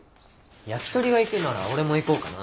ヤキトリが行くなら俺も行こうかな。